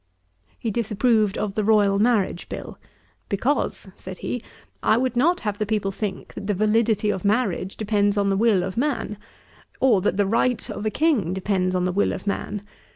He disapproved of the Royal Marriage Bill; 'Because (said he) I would not have the people think that the validity of marriage depends on the will of man, or that the right of a King depends on the will of man.